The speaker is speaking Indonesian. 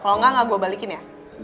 kalau enggak enggak gue balikin ya